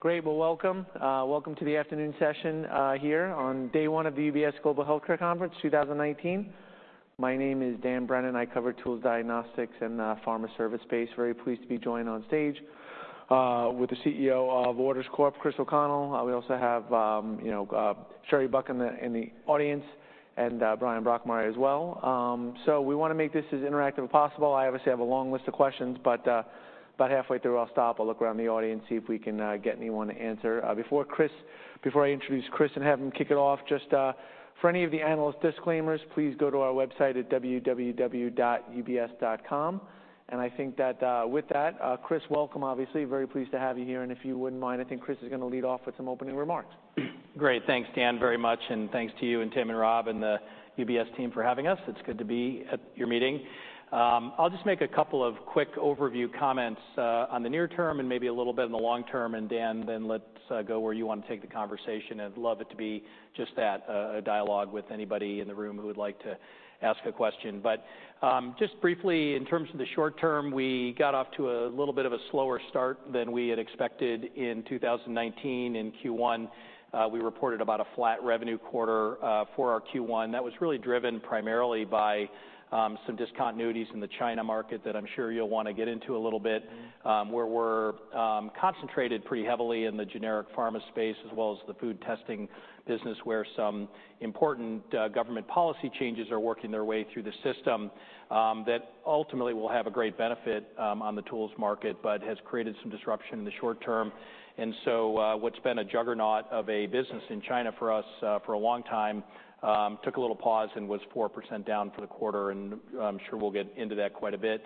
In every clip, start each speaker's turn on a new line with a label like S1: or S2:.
S1: Great. Well, welcome. Welcome to the afternoon session here on day one of the UBS Global Healthcare Conference 2019. My name is Dan Brennan, I cover tools, diagnostics, and the pharma service space. Very pleased to be joined on stage with the CEO of Waters Corp, Chris O'Connell. We also have Sherry Buck in the audience and Bryan Brokmeier as well. So we want to make this as interactive as possible. I obviously have a long list of questions, but about halfway through I'll stop. I'll look around the audience, see if we can get anyone to answer. Before I introduce Chris and have him kick it off, just for any of the analyst disclaimers, Please go to our website at www.ubs.com. And I think that with that, Chris, welcome obviously. Very pleased to have you here. If you wouldn't mind, I think Chris is going to lead off with some opening remarks.
S2: Great. Thanks, Dan, very much, and thanks to you and Tim and Rob and the UBS team for having us. It's good to be at your meeting. I'll just make a couple of quick overview comments on the near term and maybe a little bit in the long term, and Dan, then let's go where you want to take the conversation. I'd love it to be just that, a dialogue with anybody in the room who would like to ask a question, but just briefly, in terms of the short term, we got off to a little bit of a slower start than we had expected in 2019. In Q1, we reported about a flat revenue quarter for our Q1. That was really driven primarily by some discontinuities in the China market that I'm sure you'll want to get into a little bit, where we're concentrated pretty heavily in the generic pharma space as well as the food testing business, where some important government policy changes are working their way through the system that ultimately will have a great benefit on the tools market, but has created some disruption in the short term, and so what's been a juggernaut of a business in China for us for a long time, took a little pause and was 4% down for the quarter, and I'm sure we'll get into that quite a bit.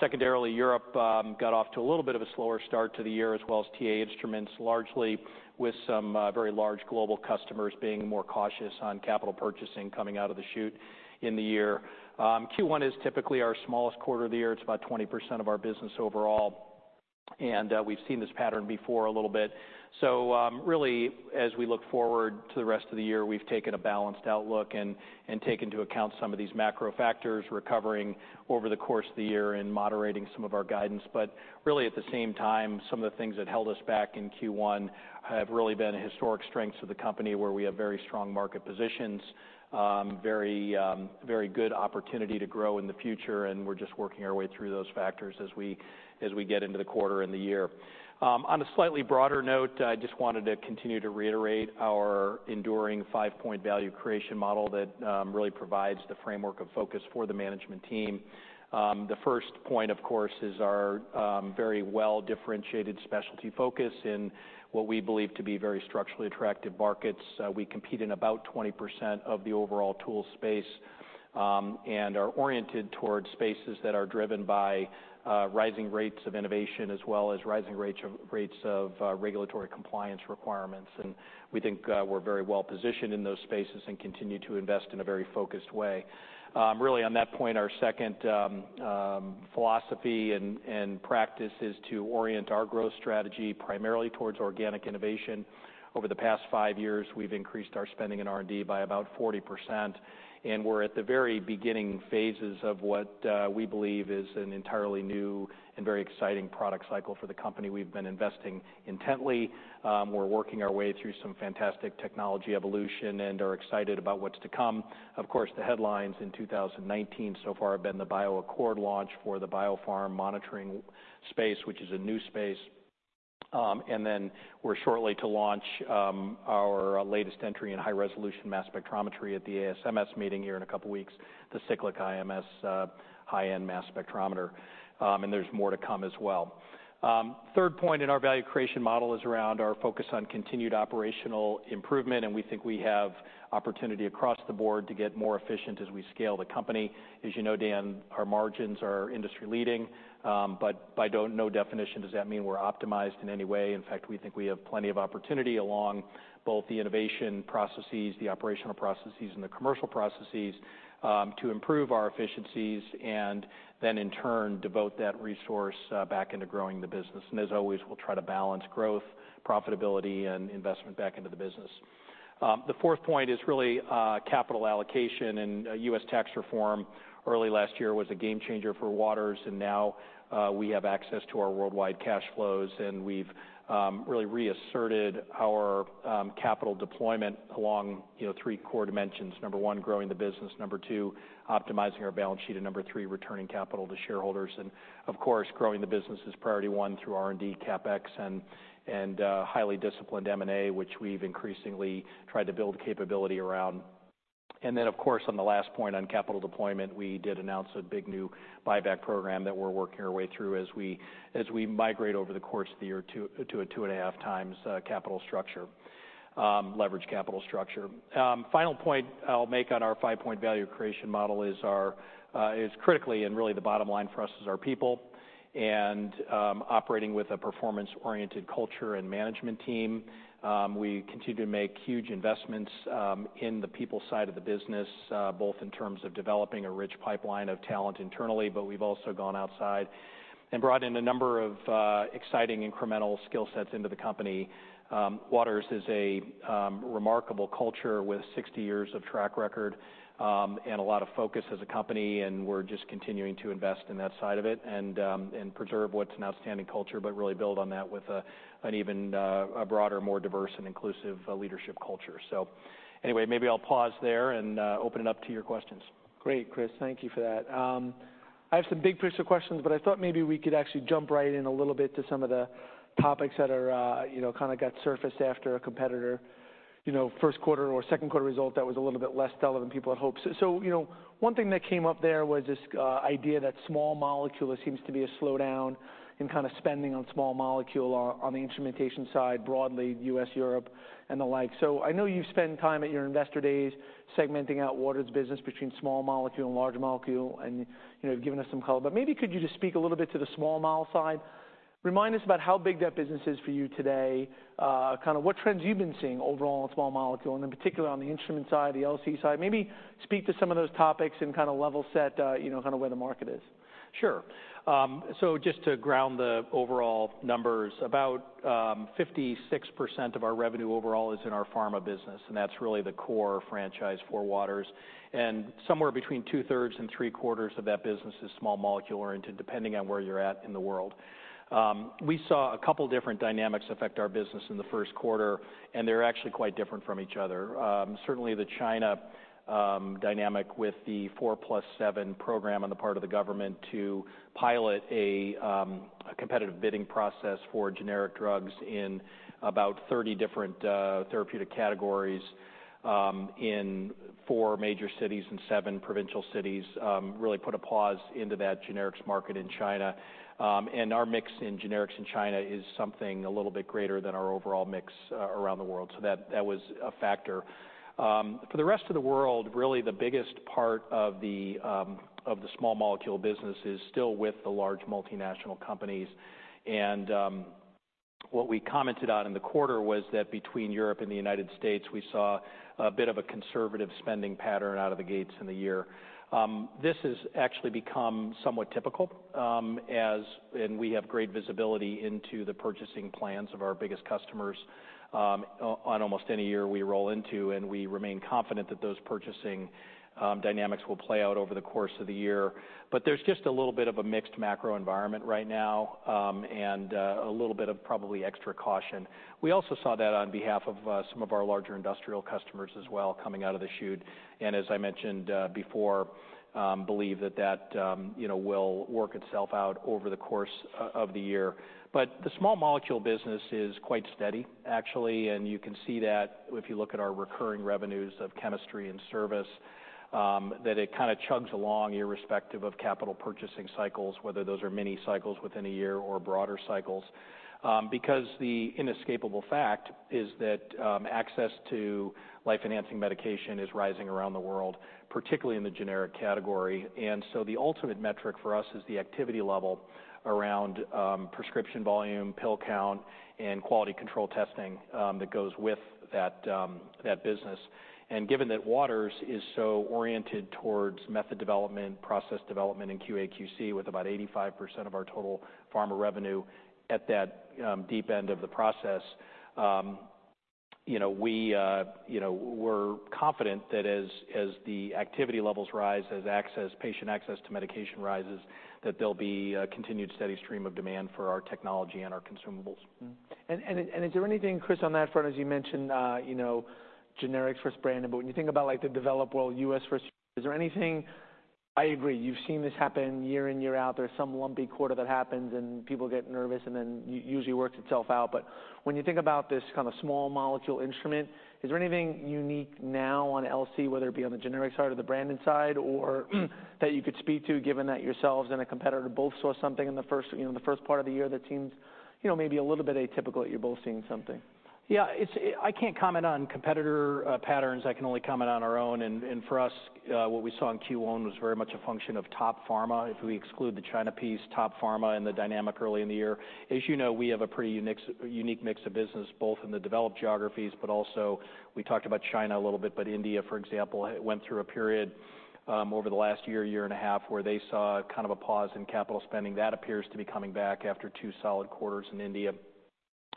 S2: Secondarily, Europe got off to a little bit of a slower start to the year as well as TA Instruments, largely with some very large global customers being more cautious on capital purchasing coming out of the chute in the year. Q1 is typically our smallest quarter of the year. It's about 20% of our business overall. And we've seen this pattern before a little bit. So really, as we look forward to the rest of the year, we've taken a balanced outlook and taken into account some of these macro factors recovering over the course of the year and moderating some of our guidance. But really, at the same time, some of the things that held us back in Q1 have really been historic strengths of the company where we have very strong market positions, very good opportunity to grow in the future. And we're just working our way through those factors as we get into the quarter and the year. On a slightly broader note, I just wanted to continue to reiterate our enduring five-point value creation model that really provides the framework of focus for the management team. The first point, of course, is our very well-differentiated specialty focus in what we believe to be very structurally attractive markets. We compete in about 20% of the overall tool space and are oriented towards spaces that are driven by rising rates of innovation as well as rising rates of regulatory compliance requirements. And we think we're very well positioned in those spaces and continue to invest in a very focused way. Really, on that point, our second philosophy and practice is to orient our growth strategy primarily towards organic innovation. Over the past five years, we've increased our spending in R&D by about 40%, and we're at the very beginning phases of what we believe is an entirely new and very exciting product cycle for the company. We've been investing intently. We're working our way through some fantastic technology evolution and are excited about what's to come. Of course, the headlines in 2019 so far have been the BioAccord launch for the biopharm monitoring space, which is a new space, and then we're shortly to launch our latest entry in high-resolution mass spectrometry at the ASMS meeting here in a couple of weeks, the Cyclic IMS high-end mass spectrometer, and there's more to come as well. Third point in our value creation model is around our focus on continued operational improvement, and we think we have opportunity across the board to get more efficient as we scale the company. As you know, Dan, our margins are industry-leading. But by no definition does that mean we're optimized in any way. In fact, we think we have plenty of opportunity along both the innovation processes, the operational processes, and the commercial processes to improve our efficiencies and then, in turn, devote that resource back into growing the business. And as always, we'll try to balance growth, profitability, and investment back into the business. The fourth point is really capital allocation. And U.S. tax reform early last year was a game changer for Waters. And now we have access to our worldwide cash flows. And we've really reasserted our capital deployment along three core dimensions. Number one, growing the business. Number two, optimizing our balance sheet. And number three, returning capital to shareholders. Of course, growing the business is priority one through R&D, CapEx, and highly disciplined M&A, which we've increasingly tried to build capability around. And then, of course, on the last point on capital deployment, we did announce a big new buyback program that we're working our way through as we migrate over the course of the year to a two and a half times capital structure, leveraged capital structure. Final point I'll make on our five-point value creation model is critically and really the bottom line for us is our people. And operating with a performance-oriented culture and management team, we continue to make huge investments in the people side of the business, both in terms of developing a rich pipeline of talent internally, but we've also gone outside and brought in a number of exciting incremental skill sets into the company. Waters is a remarkable culture with 60 years of track record and a lot of focus as a company, and we're just continuing to invest in that side of it and preserve what's an outstanding culture, but really build on that with an even broader, more diverse, and inclusive leadership culture, so anyway, maybe I'll pause there and open it up to your questions.
S1: Great, Chris. Thank you for that. I have some big picture questions, but I thought maybe we could actually jump right in a little bit to some of the topics that kind of got surfaced after a competitor's first quarter or second quarter result that was a little bit less stellar than people had hoped. So one thing that came up there was this idea that small molecule seems to be a slowdown in kind of spending on small molecule on the instrumentation side broadly, U.S., Europe, and the like. So I know you've spent time at your investor days segmenting out Waters business between small molecule and large molecule and you've given us some color. But maybe could you just speak a little bit to the small molecule side? Remind us about how big that business is for you today, kind of what trends you've been seeing overall on small molecule and in particular on the instrument side, the LC side. Maybe speak to some of those topics and kind of level set kind of where the market is.
S2: Sure. So just to ground the overall numbers, about 56% of our revenue overall is in our pharma business. And that's really the core franchise for Waters. And somewhere between two-thirds and three-quarters of that business is small molecule oriented, depending on where you're at in the world. We saw a couple of different dynamics affect our business in the first quarter. And they're actually quite different from each other. Certainly, the China dynamic with the 4+7 program on the part of the government to pilot a competitive bidding process for generic drugs in about 30 different therapeutic categories in four major cities and seven provincial cities really put a pause into that generics market in China. And our mix in generics in China is something a little bit greater than our overall mix around the world. So that was a factor. For the rest of the world, really the biggest part of the small molecule business is still with the large multinational companies. And what we commented on in the quarter was that between Europe and the United States, we saw a bit of a conservative spending pattern out of the gates in the year. This has actually become somewhat typical, and we have great visibility into the purchasing plans of our biggest customers on almost any year we roll into. And we remain confident that those purchasing dynamics will play out over the course of the year. But there's just a little bit of a mixed macro environment right now and a little bit of probably extra caution. We also saw that on behalf of some of our larger industrial customers as well coming out of the chute. As I mentioned before, believe that that will work itself out over the course of the year. The small molecule business is quite steady, actually. You can see that if you look at our recurring revenues of chemistry and service, that it kind of chugs along irrespective of capital purchasing cycles, whether those are mini cycles within a year or broader cycles. The inescapable fact is that access to life-enhancing medication is rising around the world, particularly in the generic category. So the ultimate metric for us is the activity level around prescription volume, pill count, and quality control testing that goes with that business. Given that Waters is so oriented towards method development, process development, and QA/QC with about 85% of our total pharma revenue at that deep end of the process, we were confident that as the activity levels rise, as patient access to medication rises, that there'll be a continued steady stream of demand for our technology and our consumables.
S1: And is there anything, Chris, on that front? As you mentioned, generics versus branded. But when you think about the developed world, U.S. versus China, is there anything? I agree, you've seen this happen year in, year out. There's some lumpy quarter that happens and people get nervous and then it usually works itself out. But when you think about this kind of small molecule instrument, is there anything unique now on LC, whether it be on the generic side or the branded side, or that you could speak to given that yourselves and a competitor both saw something in the first part of the year that seems maybe a little bit atypical that you're both seeing something?
S2: Yeah. I can't comment on competitor patterns. I can only comment on our own. And for us, what we saw in Q1 was very much a function of top pharma. If we exclude the China piece, top pharma and the dynamic early in the year. As you know, we have a pretty unique mix of business, both in the developed geographies, but also we talked about China a little bit, but India, for example, went through a period over the last year, year and a half where they saw kind of a pause in capital spending. That appears to be coming back after two solid quarters in India.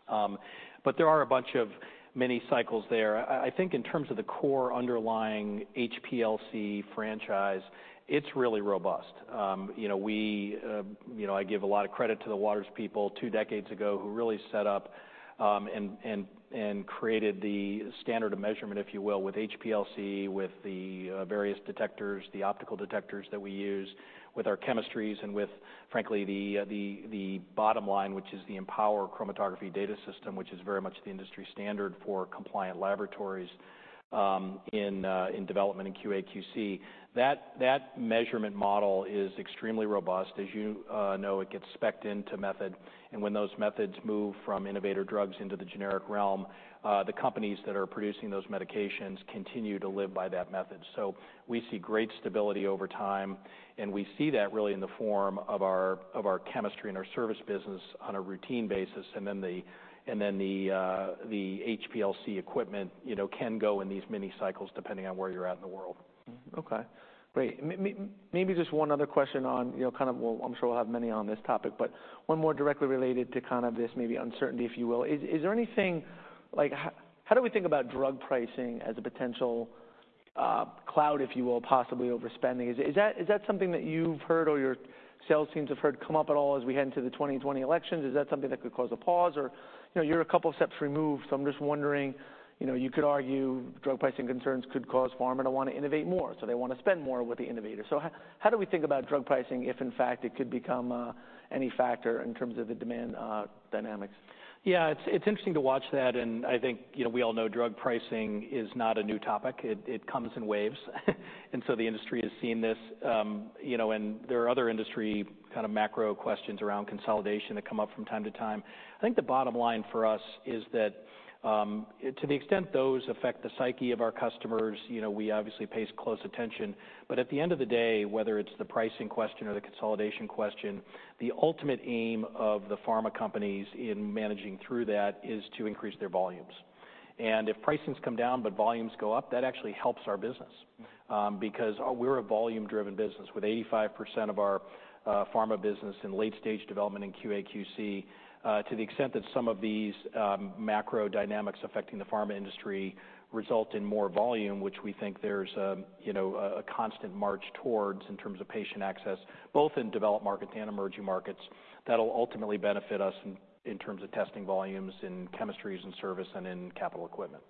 S2: But there are a bunch of mini cycles there. I think in terms of the core underlying HPLC franchise, it's really robust. I give a lot of credit to the Waters people two decades ago who really set up and created the standard of measurement, if you will, with HPLC, with the various detectors, the optical detectors that we use, with our chemistries, and with, frankly, the bottom line, which is the Empower Chromatography Data System, which is very much the industry standard for compliant laboratories in development and QA/QC. That measurement model is extremely robust. As you know, it gets specced into method. And when those methods move from innovator drugs into the generic realm, the companies that are producing those medications continue to live by that method. So we see great stability over time. And we see that really in the form of our chemistry and our service business on a routine basis. And then the HPLC equipment can go in these mini cycles depending on where you're at in the world.
S1: Okay. Great. Maybe just one other question on kind of, well, I'm sure we'll have many on this topic, but one more directly related to kind of this maybe uncertainty, if you will. Is there anything like how do we think about drug pricing as a potential cloud, if you will, possibly overspending? Is that something that you've heard or your sales teams have heard come up at all as we head into the 2020 election? Is that something that could cause a pause? Or you're a couple of steps removed. So I'm just wondering, you could argue drug pricing concerns could cause pharma to want to innovate more. So they want to spend more with the innovator. So how do we think about drug pricing if, in fact, it could become any factor in terms of the demand dynamics?
S2: Yeah. It's interesting to watch that. And I think we all know drug pricing is not a new topic. It comes in waves. And so the industry has seen this. And there are other industry kind of macro questions around consolidation that come up from time to time. I think the bottom line for us is that to the extent those affect the psyche of our customers, we obviously pay close attention. But at the end of the day, whether it's the pricing question or the consolidation question, the ultimate aim of the pharma companies in managing through that is to increase their volumes. If pricings come down but volumes go up, that actually helps our business because we're a volume-driven business with 85% of our pharma business in late-stage development and QA/QC to the extent that some of these macro dynamics affecting the pharma industry result in more volume, which we think there's a constant march towards in terms of patient access, both in developed markets and emerging markets, that'll ultimately benefit us in terms of testing volumes in chemistries and service and in capital equipment.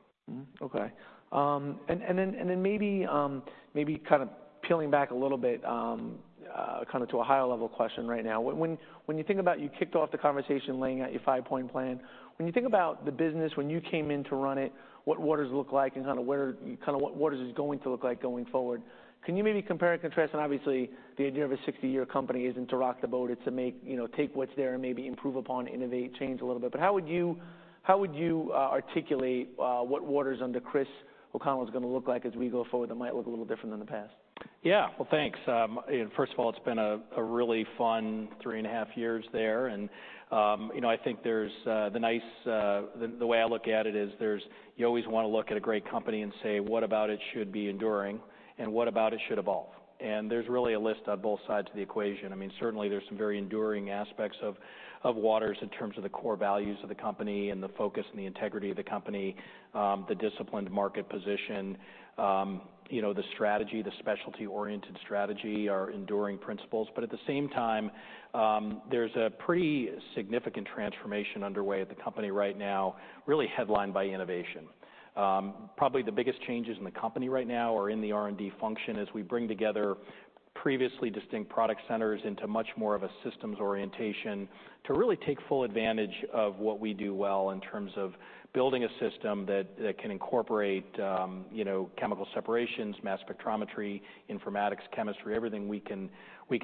S1: Okay, and then maybe kind of peeling back a little bit kind of to a higher level question right now. When you think about you kicked off the conversation laying out your five-point plan. When you think about the business, when you came in to run it, what Waters looked like and kind of what Waters is going to look like going forward, can you maybe compare and contrast, and obviously, the idea of a 60-year company isn't to rock the boat. It's to take what's there and maybe improve upon, innovate, change a little bit, but how would you articulate what Waters under Chris O'Connell is going to look like as we go forward that might look a little different than the past?
S2: Yeah. Well, thanks. First of all, it's been a really fun three and a half years there. And I think there's the nice way I look at it is you always want to look at a great company and say, "What about it should be enduring? And what about it should evolve?" And there's really a list on both sides of the equation. I mean, certainly, there's some very enduring aspects of Waters in terms of the core values of the company and the focus and the integrity of the company, the disciplined market position, the strategy, the specialty-oriented strategy, our enduring principles. But at the same time, there's a pretty significant transformation underway at the company right now, really headlined by innovation. Probably the biggest changes in the company right now are in the R&D function as we bring together previously distinct product centers into much more of a systems orientation to really take full advantage of what we do well in terms of building a system that can incorporate chemical separations, mass spectrometry, informatics, chemistry, everything we can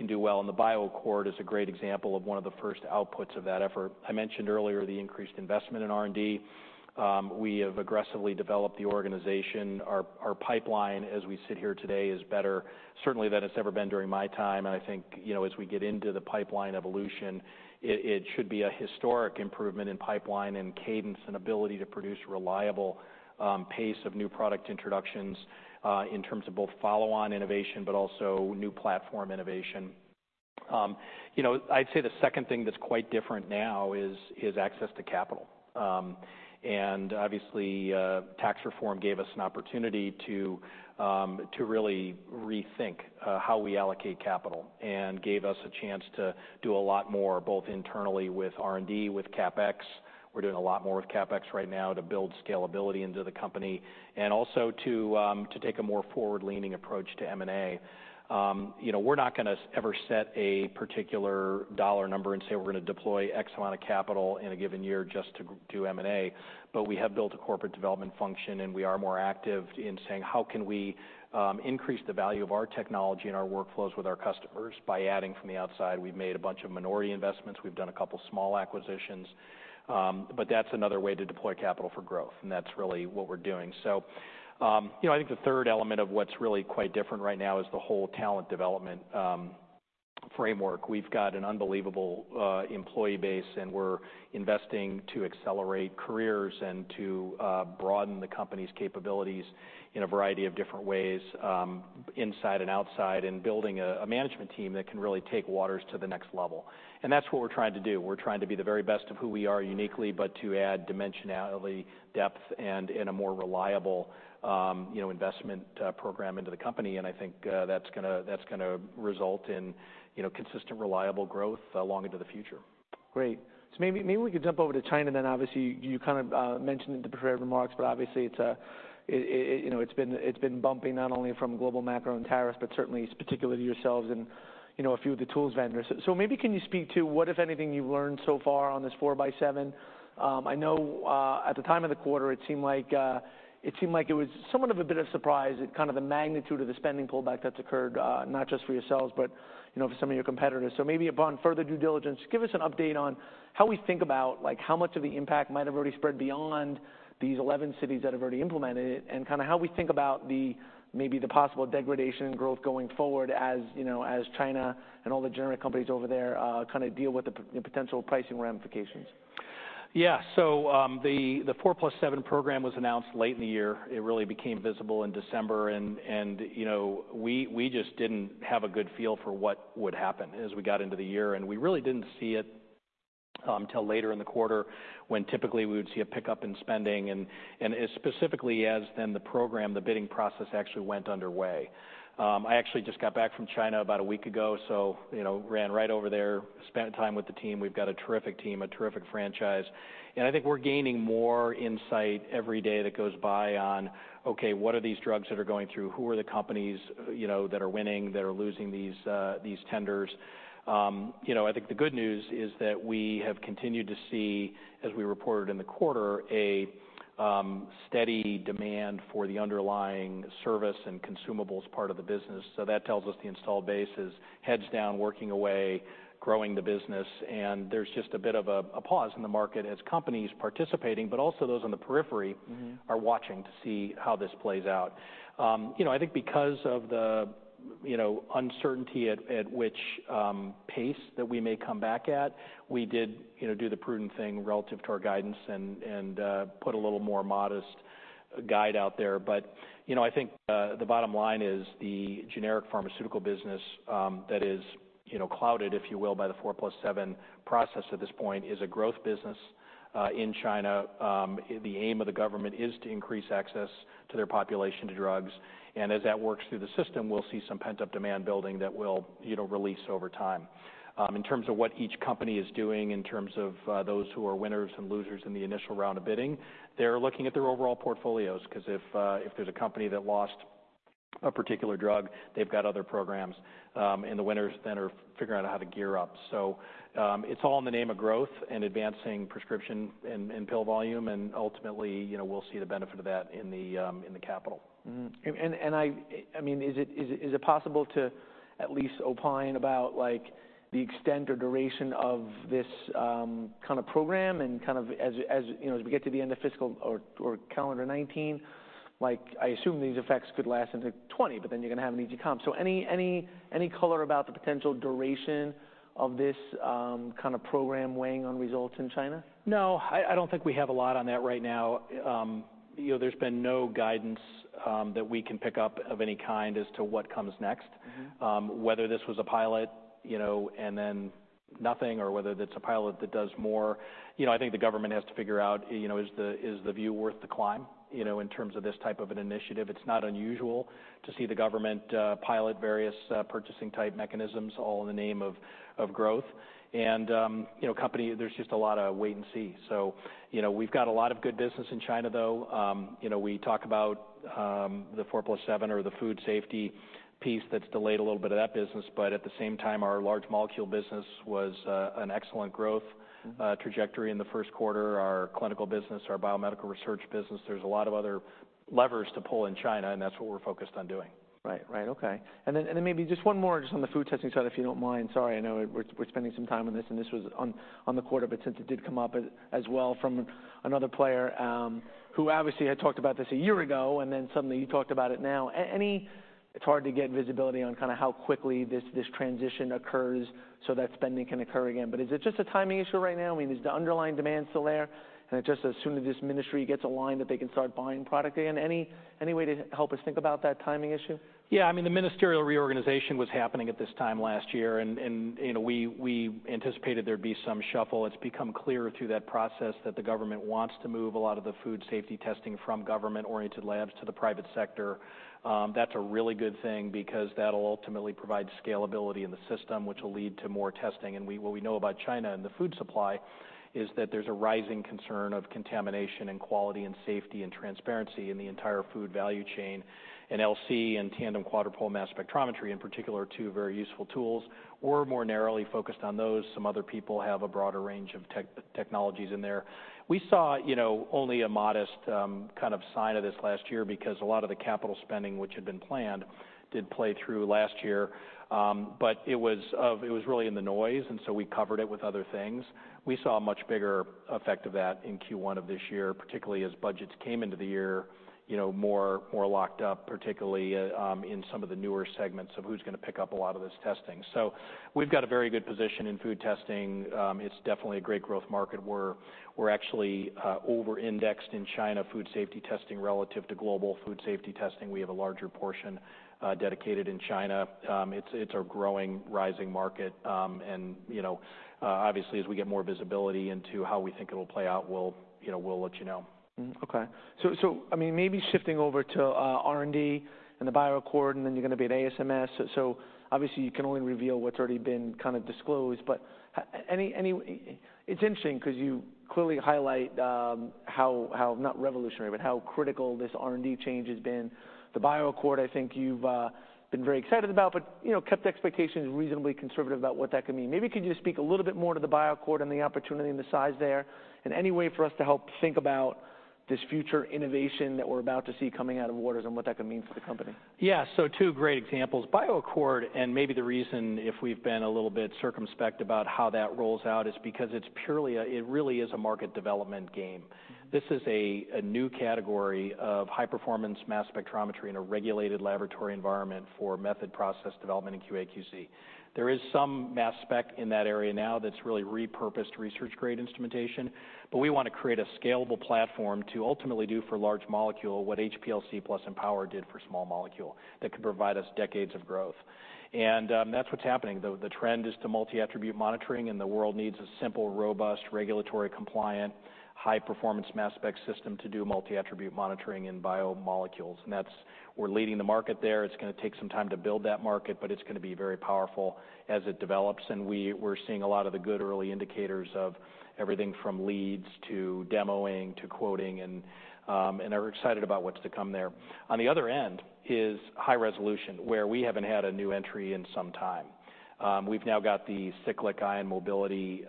S2: do well. The BioAccord is a great example of one of the first outputs of that effort. I mentioned earlier the increased investment in R&D. We have aggressively developed the organization. Our pipeline, as we sit here today, is better, certainly, than it's ever been during my time. I think as we get into the pipeline evolution, it should be a historic improvement in pipeline and cadence and ability to produce a reliable pace of new product introductions in terms of both follow-on innovation, but also new platform innovation. I'd say the second thing that's quite different now is access to capital, and obviously, tax reform gave us an opportunity to really rethink how we allocate capital and gave us a chance to do a lot more both internally with R&D, with CapEx. We're doing a lot more with CapEx right now to build scalability into the company and also to take a more forward-leaning approach to M&A. We're not going to ever set a particular dollar number and say we're going to deploy X amount of capital in a given year just to do M&A, but we have built a corporate development function, and we are more active in saying, "How can we increase the value of our technology and our workflows with our customers by adding from the outside?" We've made a bunch of minority investments. We've done a couple of small acquisitions. But that's another way to deploy capital for growth. And that's really what we're doing. So I think the third element of what's really quite different right now is the whole talent development framework. We've got an unbelievable employee base, and we're investing to accelerate careers and to broaden the company's capabilities in a variety of different ways inside and outside and building a management team that can really take Waters to the next level. And that's what we're trying to do. We're trying to be the very best of who we are uniquely, but to add dimensionality, depth, and in a more reliable investment program into the company. And I think that's going to result in consistent, reliable growth long into the future.
S1: Great. So maybe we could jump over to China then. Obviously, you kind of mentioned it in the prepared remarks, but obviously, it's been bumpy not only from global macro and tariffs, but certainly particularly to yourselves and a few of the tools vendors. So maybe can you speak to what, if anything, you've learned so far on this 4+7? I know at the time of the quarter, it seemed like it was somewhat of a bit of a surprise, kind of the magnitude of the spending pullback that's occurred, not just for yourselves, but for some of your competitors. Maybe upon further due diligence, give us an update on how we think about how much of the impact might have already spread beyond these 11 cities that have already implemented it and kind of how we think about maybe the possible degradation and growth going forward as China and all the generic companies over there kind of deal with the potential pricing ramifications.
S2: Yeah. So the 4+7 program was announced late in the year. It really became visible in December. And we just didn't have a good feel for what would happen as we got into the year. And we really didn't see it until later in the quarter when typically we would see a pickup in spending. And specifically as then the program, the bidding process actually went underway. I actually just got back from China about a week ago, so ran right over there, spent time with the team. We've got a terrific team, a terrific franchise. And I think we're gaining more insight every day that goes by on, "Okay, what are these drugs that are going through? Who are the companies that are winning, that are losing these tenders?" I think the good news is that we have continued to see, as we reported in the quarter, a steady demand for the underlying service and consumables part of the business. So that tells us the installed base is heads down, working away, growing the business. And there's just a bit of a pause in the market as companies participating, but also those on the periphery are watching to see how this plays out. I think because of the uncertainty at which pace that we may come back at, we did do the prudent thing relative to our guidance and put a little more modest guide out there. But I think the bottom line is the generic pharmaceutical business that is clouded, if you will, by the 4+7 process at this point is a growth business in China. The aim of the government is to increase access to their population to drugs, and as that works through the system, we'll see some pent-up demand building that will release over time. In terms of what each company is doing, in terms of those who are winners and losers in the initial round of bidding, they're looking at their overall portfolios because if there's a company that lost a particular drug, they've got other programs, and the winners then are figuring out how to gear up, so it's all in the name of growth and advancing prescription and pill volume, and ultimately, we'll see the benefit of that in the capital.
S1: I mean, is it possible to at least opine about the extent or duration of this kind of program? Kind of as we get to the end of fiscal or calendar 2019, I assume these effects could last into 2020, but then you're going to have an easy comp. Any color about the potential duration of this kind of program weighing on results in China?
S2: No. I don't think we have a lot on that right now. There's been no guidance that we can pick up of any kind as to what comes next. Whether this was a pilot and then nothing, or whether it's a pilot that does more, I think the government has to figure out if the view is worth the climb in terms of this type of an initiative. It's not unusual to see the government pilot various purchasing-type mechanisms all in the name of growth, and there's just a lot of wait and see, so we've got a lot of good business in China, though. We talk about the 4+7 or the food safety piece that's delayed a little bit of that business, but at the same time, our large molecule business was on an excellent growth trajectory in the first quarter. Our clinical business, our biomedical research business, there's a lot of other levers to pull in China, and that's what we're focused on doing.
S1: Right. Right. Okay. And then maybe just one more just on the food testing side, if you don't mind. Sorry, I know we're spending some time on this, and this was on the quarter, but since it did come up as well from another player who obviously had talked about this a year ago, and then suddenly you talked about it now. It's hard to get visibility on kind of how quickly this transition occurs so that spending can occur again. But is it just a timing issue right now? I mean, is the underlying demand still there? And just as soon as this ministry gets aligned that they can start buying product again? Any way to help us think about that timing issue?
S2: Yeah. I mean, the ministerial reorganization was happening at this time last year, and we anticipated there'd be some shuffle. It's become clear through that process that the government wants to move a lot of the food safety testing from government-oriented labs to the private sector. That's a really good thing because that'll ultimately provide scalability in the system, which will lead to more testing. And what we know about China and the food supply is that there's a rising concern of contamination and quality and safety and transparency in the entire food value chain. And LC and tandem quadrupole mass spectrometry, in particular, are two very useful tools. We're more narrowly focused on those. Some other people have a broader range of technologies in there. We saw only a modest kind of sign of this last year because a lot of the capital spending, which had been planned, did play through last year. But it was really in the noise, and so we covered it with other things. We saw a much bigger effect of that in Q1 of this year, particularly as budgets came into the year more locked up, particularly in some of the newer segments of who's going to pick up a lot of this testing. So we've got a very good position in food testing. It's definitely a great growth market. We're actually over-indexed in China food safety testing relative to global food safety testing. We have a larger portion dedicated in China. It's a growing, rising market. And obviously, as we get more visibility into how we think it'll play out, we'll let you know.
S1: Okay. So I mean, maybe shifting over to R&D and the BioAccord, and then you're going to be at ASMS. So obviously, you can only reveal what's already been kind of disclosed. But it's interesting because you clearly highlight how, not revolutionary, but how critical this R&D change has been. The BioAccord, I think you've been very excited about, but kept expectations reasonably conservative about what that can mean. Maybe could you just speak a little bit more to the BioAccord and the opportunity and the size there in any way for us to help think about this future innovation that we're about to see coming out of Waters and what that can mean for the company?
S2: Yeah. So two great examples. BioAccord, and maybe the reason if we've been a little bit circumspect about how that rolls out is because it really is a market development game. This is a new category of high-performance mass spectrometry in a regulated laboratory environment for method process development in QA/QC. There is some mass spec in that area now that's really repurposed research-grade instrumentation. But we want to create a scalable platform to ultimately do for large molecule what HPLC plus Empower did for small molecule that could provide us decades of growth. And that's what's happening. The trend is to multi-attribute monitoring, and the world needs a simple, robust, regulatory-compliant, high-performance mass spec system to do multi-attribute monitoring in biomolecules. And we're leading the market there. It's going to take some time to build that market, but it's going to be very powerful as it develops. We're seeing a lot of the good early indicators of everything from leads to demoing to quoting. We're excited about what's to come there. On the other end is high resolution, where we haven't had a new entry in some time. We've now got the cyclic ion mobility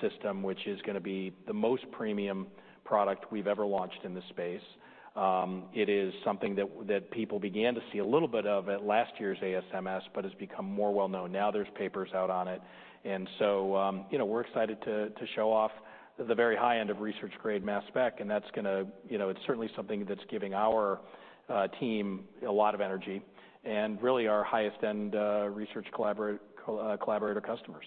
S2: system, which is going to be the most premium product we've ever launched in the space. It is something that people began to see a little bit of at last year's ASMS, but has become more well-known. Now there's papers out on it. We're excited to show off the very high end of research-grade mass spec. That's going to, it's certainly something that's giving our team a lot of energy and really our highest-end research collaborator customers.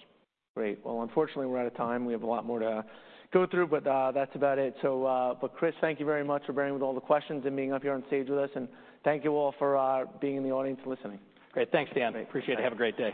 S1: Great. Well, unfortunately, we're out of time. We have a lot more to go through, but that's about it. But Chris, thank you very much for bearing with all the questions and being up here on stage with us. And thank you all for being in the audience and listening.
S2: Great. Thanks, Dan. Appreciate it.
S1: Have a great day.